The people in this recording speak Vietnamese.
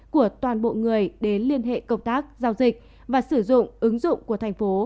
của toàn bộ người đến liên hệ công tác giao dịch và sử dụng ứng dụng của thành phố